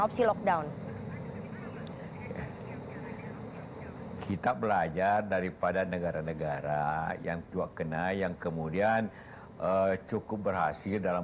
opsi lockdown kita belajar daripada negara negara yang tua kena yang kemudian cukup berhasil dalam